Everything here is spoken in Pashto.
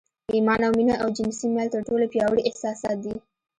ایمان او مینه او جنسي میل تر ټولو پیاوړي احساسات دي